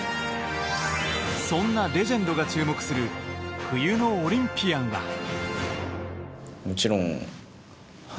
そんなレジェンドが注目する冬のオリンピアンは？